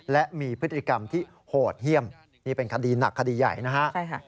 และมีพฤติกรรมที่โหดเยี่ยมนี่เป็นคดีหนักคดีใหญ่นะฮะ